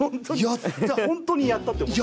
本当にやったって思ってる？